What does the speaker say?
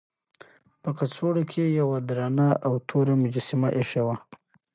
په کڅوړه کې یې یوه درنه او توره مجسمه ایښې وه.